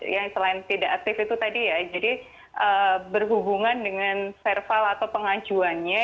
ya selain tidak aktif itu tadi ya jadi berhubungan dengan serval atau pengajuannya